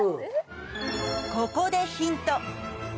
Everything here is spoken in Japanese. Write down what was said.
ここでヒント！